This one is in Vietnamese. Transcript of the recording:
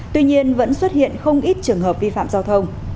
tuy nhiên vẫn xuất hiện không ít trường hợp vi phạm giao thông